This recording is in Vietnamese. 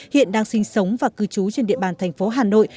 hiện đang sinh sống và cư trú trên địa bàn thành phố hà nội